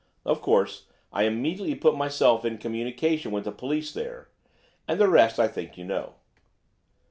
Of course, I immediately put myself in communication with the police there, and the rest I think you know."